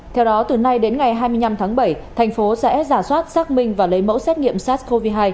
theo đó từ nay đến ngày hai mươi năm tháng bảy thành phố sẽ giả soát xác minh và lấy mẫu xét nghiệm sars cov hai